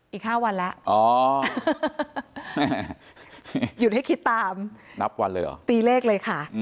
อีก๕วันแล้วหยุดให้คิดตามตีเลขเลยค่ะนับวันเลยหรือ